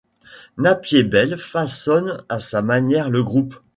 Napier-Bell façonne à sa manière le groupe.